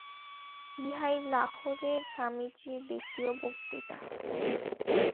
ইহাই লাহোরে স্বামীজীর দ্বিতীয় বক্তৃতা।